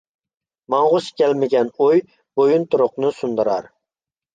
ماڭغۇسى كەلمىگەن ئۇي، بويۇنتۇرۇقنى سۇندۇرار.